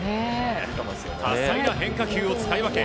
多彩な変化球を使い分け